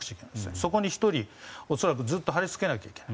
そこに１人、恐らくずっと張りつけなくてはいけない。